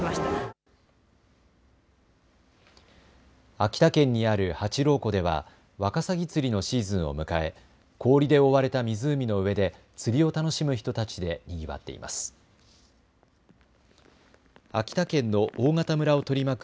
秋田県にある八郎湖ではワカサギ釣りのシーズンを迎え氷で覆われた湖の上で釣りを楽しむ人たちでにぎわっています。